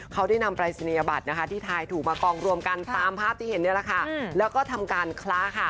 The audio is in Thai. เขาได้นำปรายศนีย์อบัตรที่ไทยถูกมากองรวมกันตามภาพที่เห็นแล้วก็ทำการคล้า